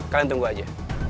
kalian tunggu aja